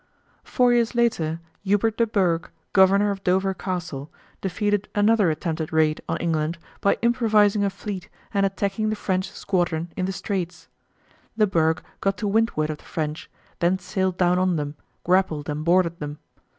Four years later Hubert de Burgh, Governor of Dover Castle, defeated another attempted raid on England by improvising a fleet and attacking the French squadron in the Straits. De Burgh got to windward of the French, then sailed down on them, grappled and boarded them.